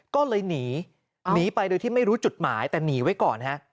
ก็เลยหนีหนีไปโดยที่ไม่รู้จุดหมายแต่หนีไว้ก่อนฮะ